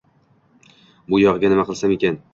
«Bu yogʻiga nima qilsam ekan?